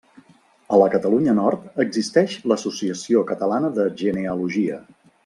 A la Catalunya Nord existeix l'Associació Catalana de Genealogia.